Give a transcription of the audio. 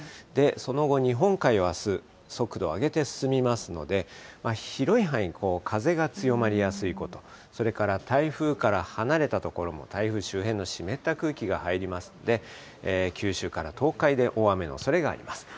その後、日本海をあす、速度を上げて進みますので、広い範囲、風が強まりやすいこと、それから台風から離れた所も台風周辺の湿った空気が入りますので、九州から東海で大雨のおそれがあります。